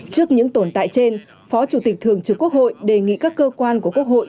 trước những tồn tại trên phó chủ tịch thường trực quốc hội đề nghị các cơ quan của quốc hội